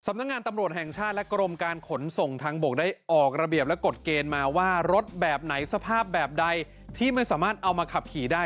นักงานตำรวจแห่งชาติและกรมการขนส่งทางบกได้ออกระเบียบและกฎเกณฑ์มาว่ารถแบบไหนสภาพแบบใดที่ไม่สามารถเอามาขับขี่ได้